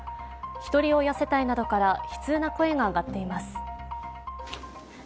ひとり親世帯などから悲痛な声が上がっています。